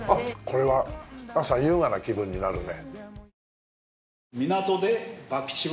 これは朝優雅な気分になるね。